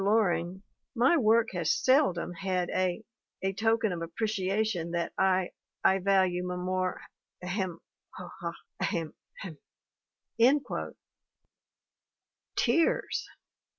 Loring, my work has seldom had a a token of appreciation that I I value m more ahem ho, ha ahem, hem /'' Tears